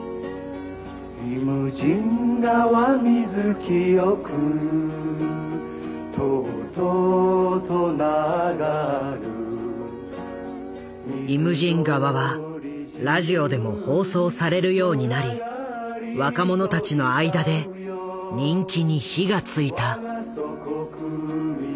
清くとうとうと流る」「イムジン河」はラジオでも放送されるようになり若者たちの間で人気に火がついた。